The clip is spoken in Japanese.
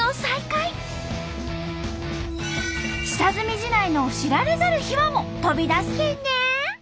下積み時代の知られざる秘話も飛び出すけんね！